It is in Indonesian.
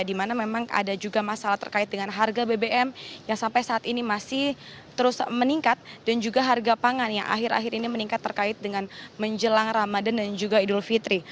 di mana memang ada juga masalah terkait dengan harga bbm yang sampai saat ini masih terus meningkat dan juga harga pangan yang akhir akhir ini meningkat terkait dengan menjelang ramadan dan juga idul fitri